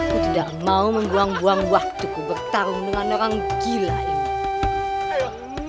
aku tidak mau membuang buang waktuku bertarung dengan orang gila ini